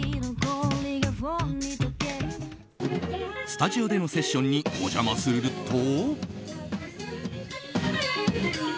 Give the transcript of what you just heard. スタジオでのセッションにお邪魔すると。